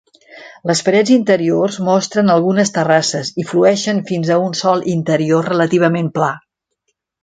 Les parets interiors mostren algunes terrasses, i flueixen fins a un sòl interior relativament pla.